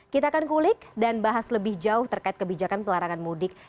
kita akan kulik dan bahas lebih jauh terkait kebijakan pelarangan mudik